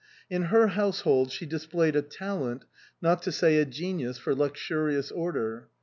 In her household she displayed a talent, not to say a genius, for luxurious order.